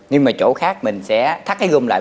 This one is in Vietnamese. nhưng mà chỗ khác mình sẽ thắt cái gung lại